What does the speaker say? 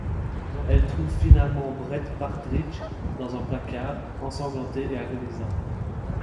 Elle trouve finalement Brett Partridge dans un placard, ensanglanté et agonisant.